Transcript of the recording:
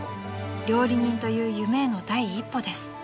［料理人という夢への第一歩です］